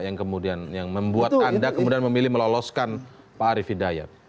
yang kemudian membuat anda memilih meloloskan pak arief hidayat